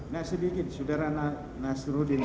nah sedikit sudara nazaruddin